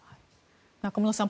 中室さん